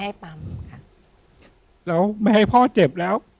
พี่น้องรู้ไหมว่าพ่อจะตายแล้วนะ